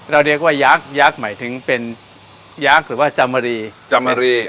เรียกว่ายักษ์ยักษ์หมายถึงเป็นยักษ์หรือว่าจามรีจามรี